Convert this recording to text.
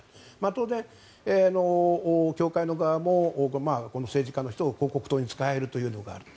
当然、教会の側も政治家の人を広告塔に使えるというのがある。